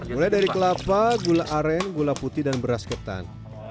mulai dari kelapa gula aren gula putih dan beras ketan